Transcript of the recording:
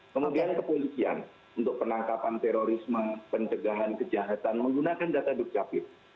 kemudian kepolisian untuk penangkapan terorisme pencegahan kejahatan menggunakan data dukcapil